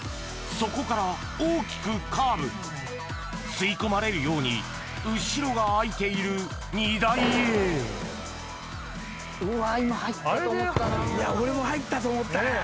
そこから大きくカーブ吸い込まれるように後ろが開いている荷台へ今入ったと思ったな。